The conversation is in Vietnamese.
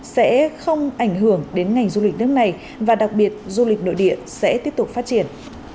sẽ không ảnh hưởng đến ngành du lịch nước này và đặc biệt du lịch nội địa sẽ tiếp tục phát triển